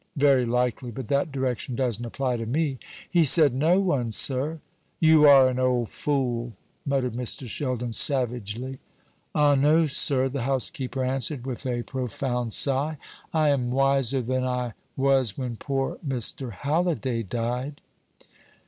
"Very likely; but that direction doesn't apply to me." "He said no one, sir." "You are an old fool!" muttered Mr. Sheldon, savagely. "Ah no, sir," the housekeeper answered, with a profound sigh; "I am wiser than I was when poor Mr. Halliday died."